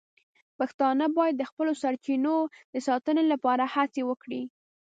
پښتانه باید د خپلو سرچینو د ساتنې لپاره هڅې وکړي.